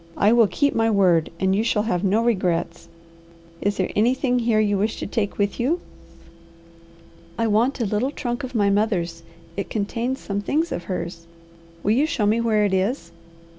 "I will keep my word and you shall have no regrets. Is there anything here you wish to take with you?" "I want a little trunk of my mother's. It contains some things of hers." "Will you show me where it is?"